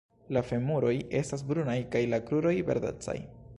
La femuroj estas brunaj kaj la kruroj verdecaj.